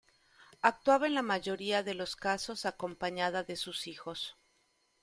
Actuaba en la mayoría de los casos acompañada de sus hijos.